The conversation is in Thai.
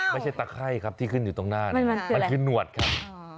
ไม่ใช่ตัวไข่ครับที่ขึ้นอยู่ตรงหน้าน่ะมันคือหนวดครับ